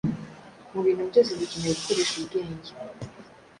Mu bintu byose dukeneye gukoresha ubwenge.